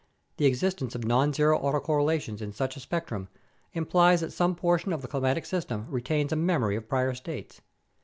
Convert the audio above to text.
The existence of nonzero auto correlations in such a spectrum implies that some portion of the climatic system retains a "memory" of prior states.